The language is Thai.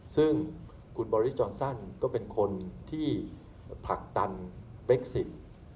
ซึ่งคุณบอริสจอนซันก็เป็นคนที่ผลักดันเปรคซิ